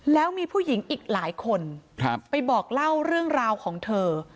แล้วมีผู้หญิงอีกหลายคนไปบอกเล่าเรื่องราวของเธอ